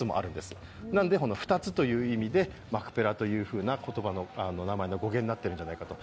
なので２つという意味でマクペラという言葉の名前の語源になっているんじゃないかと。